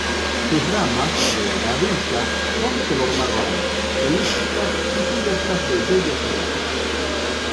Sus ramas de edad adulta son de color marrón, elípticas y cubiertas de vellosidades.